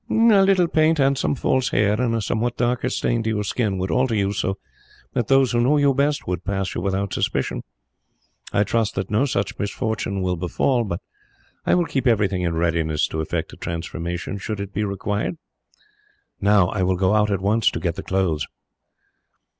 "A little paint, and some false hair, and a somewhat darker stain to your skin, would alter you so that those who know you best would pass you without suspicion. I trust that no such misfortune will befall, but I will keep everything in readiness to effect a transformation, should it be required. "Now I will go out at once, to get the clothes."